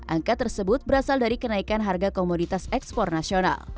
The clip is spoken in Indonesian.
angka tersebut berasal dari kenaikan harga komoditas ekspor nasional